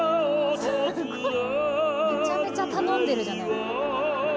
すごい。めちゃめちゃ頼んでるじゃない。